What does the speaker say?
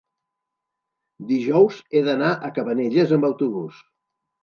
dijous he d'anar a Cabanelles amb autobús.